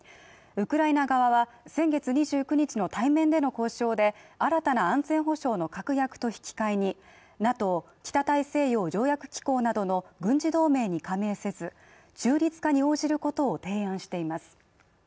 ウクライナ側は先月２９日の対面での交渉で、新たな安全保障の確約と引き換えにＮＡＴＯ＝北大西洋条約機構などの軍事同盟に加盟せず中立化に応じることを提案しています。